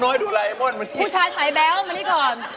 น้อยดูลายมอนมานี่ก่อน